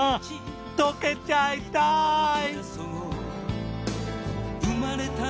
溶けちゃいたい！